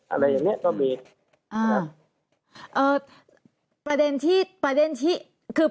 อะไรอย่างนี้ก็มี